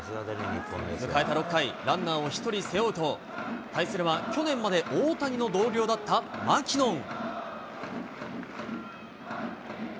迎えた６回、ランナーを１人背負うと、対するは去年まで大谷の同僚だったマキノン。